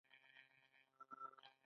د بدخشان په اشکاشم کې د سرو زرو نښې شته.